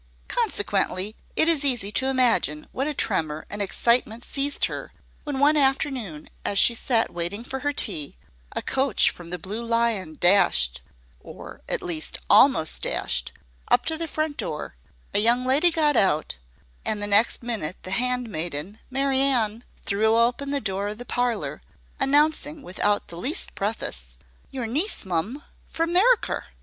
Consequently, it is easy to imagine what a tremor and excitement seized her when, one afternoon, as she sat waiting for her tea, a coach from the Blue Lion dashed or, at least, almost dashed up to the front door, a young lady got out, and the next minute the handmaiden, Mary Anne, threw open the door of the parlor, announcing, without the least preface, "Your niece, mum, from 'Meriker."